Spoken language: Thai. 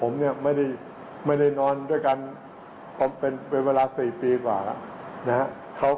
มีคนใจดีก็ตัดสินใจนั่งรถจากหมอชิตจะไปขอนแก่น